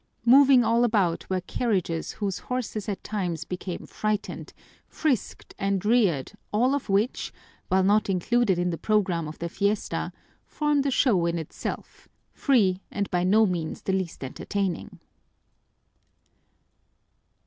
Moving all about were carriages whose horses at times became frightened, frisked and reared all of which, while not included in the program of the fiesta, formed a show in itself, free and by no means the least entertaining.